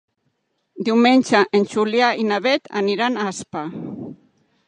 Diumenge en Julià i na Beth aniran a Aspa.